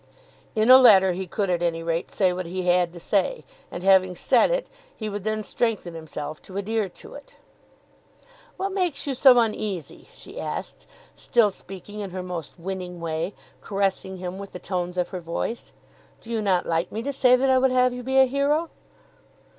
In a letter he could at any rate say what he had to say; and having said it he would then strengthen himself to adhere to it. "What makes you so uneasy?" she asked; still speaking in her most winning way, caressing him with the tones of her voice. "Do you not like me to say that I would have you be a hero?"